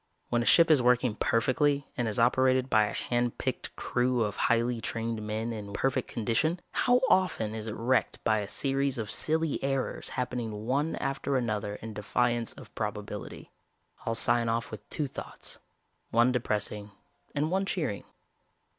When a ship is working perfectly and is operated by a hand picked crew of highly trained men in perfect condition, how often is it wrecked by a series of silly errors happening one after another in defiance of probability? "I'll sign off with two thoughts, one depressing and one cheering.